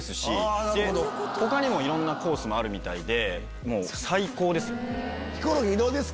他にもいろんなコースもあるみたいで最高ですよ。